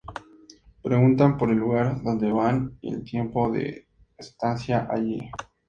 Preguntan por el lugar adonde van y el tiempo de estancia allí.